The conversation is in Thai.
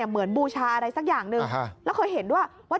บูชาอะไรสักอย่างหนึ่งแล้วเคยเห็นด้วยว่า